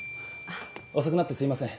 遅くなってすいません。